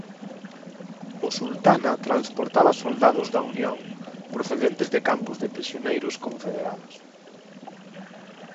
O Sultana transportaba soldados da Unión procedentes de campos de prisioneiros confederados.